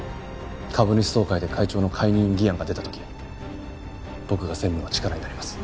株主総会で会長の解任議案が出た時僕が専務の力になります。